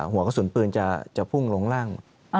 หัวกระสุนปืนจะพุ่งลงร่าง